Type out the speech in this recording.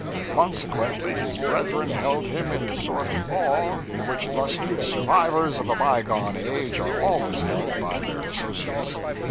Consequently his brethren held him in the sort of awe in which illustrious survivors of a bygone age are always held by their associates.